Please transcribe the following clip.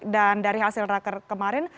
dari hasil raker kemarin